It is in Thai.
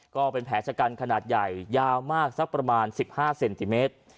ก็เป็นแผลชะกันขนาดใหญ่ยาวมากสักประมาณ๑๕เซนติเมตร